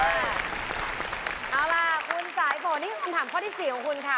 เอาล่ะคุณสายฝนนี่คือคำถามข้อที่๔ของคุณค่ะ